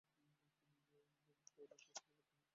তিনি জুন্ডার্থ গ্রামের একটি স্কুলে ভর্তি হন।